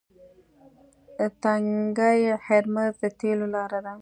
تنګی هرمز د تیلو لاره ده.